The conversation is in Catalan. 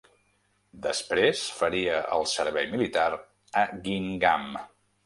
Després faria el servei militar a Guingamp.